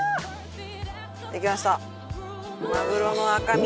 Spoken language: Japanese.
できました！